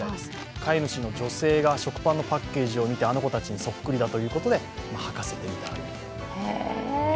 飼い主の女性が食パンのパッケージを見てあの子たちにそっくりだということで、はかせてみたと。